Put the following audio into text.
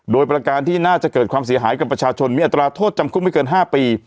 โดยประการที่น่าจะเกิดความเสียหายกับประชาชนมีอัตราโทษจำคุกไม่เกิน๕ปี